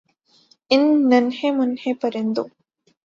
ان ننھے مننھے پرندوں